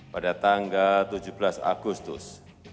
pada tanggal tujuh belas agustus dua ribu delapan belas